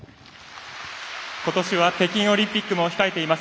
ことしは北京オリンピックも控えています。